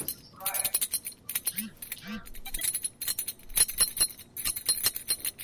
wake umebadilika sana Tabia kuu ya mabadiliko haya ilionyeshwa